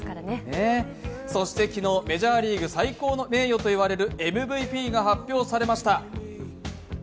そして昨日、メジャーリーグ最高の名誉と言われるＭＶＰが発表されました。